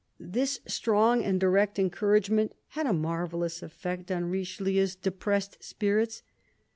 This strong and direct encouragement had a marvellous eff"ect on Richelieu's depressed spirits.